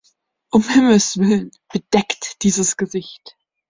Um Himmels willen, bedeckt dieses Gesicht!